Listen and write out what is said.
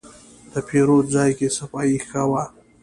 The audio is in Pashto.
د پیرود ځای کې صفایي ښه وه.